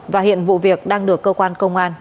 và hiện vụ việc đang được cơ quan công an